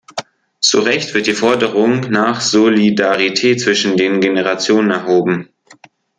Zu Recht wird die Forderung nach "Solidarität zwischen den Generationen" erhoben.